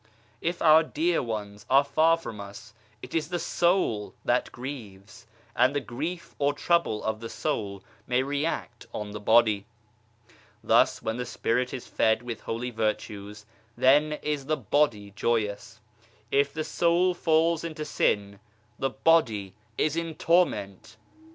If our dear ones are far from us it is the soul that grieves, and the grief or trouble of the soul may react on the body. Thus, when the Spirit is fed with holy virtues, then is the body joyous ; if the soul falls into sin, the body is in torment